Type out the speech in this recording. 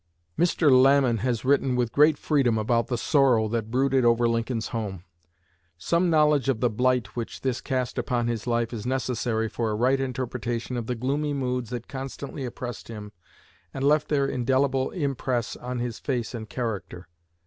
Mr. Lamon has written with great freedom of the sorrow that brooded over Lincoln's home. Some knowledge of the blight which this cast upon his life is necessary for a right interpretation of the gloomy moods that constantly oppressed him and left their indelible impress on his face and character.